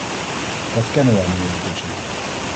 Dat kennen wij nu intussen.